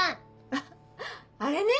あっあれね！